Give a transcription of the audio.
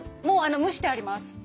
もう蒸してあります。